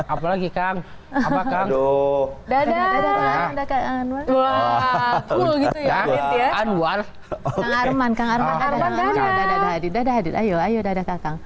apa lagi kang apa kang dadah dadah kak anwar kak arman kak arman adik adik dadah adik ayo ayo dadah kakang